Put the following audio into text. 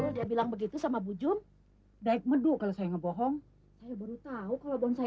besok dia bilang begitu sama bu jum dayak medul kalau saya ngebohong saya baru tahu kalau bonsai